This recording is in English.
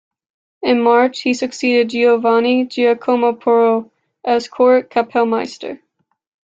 In March he succeeded Giovanni Giacomo Porro as court Kapellmeister.